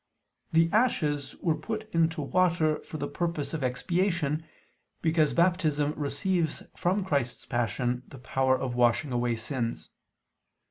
The ashes were put into water for the purpose of expiation, because Baptism receives from Christ's Passion the power of washing away sins.